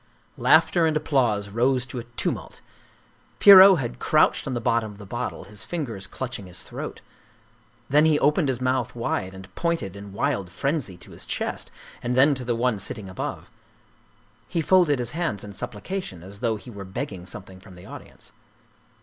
Laughter and applause rose to a tumult. Pierrot had crouched on the bottom of the bottle, his fingers clutching his throat. Then he opened his mouth wide and pointed in wild frenzy to his chest and then to the one sitting above. He folded his hands in supplication, as though he were begging something from the audience.